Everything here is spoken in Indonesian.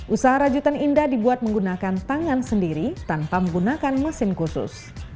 usaha rajutan indah dibuat menggunakan tangan sendiri tanpa menggunakan mesin khusus